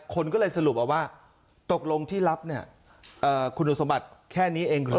คนก็เลยสรุปว่าตกลงที่รับคุณอุสมัตย์แค่นี้เอง